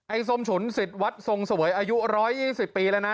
ส้มฉุนสิทธิ์วัดทรงเสวยอายุ๑๒๐ปีแล้วนะ